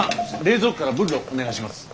冷蔵庫からブッロお願いします。